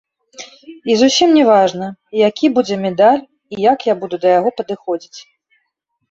І зусім не важна, які будзе медаль і як я буду да яго падыходзіць.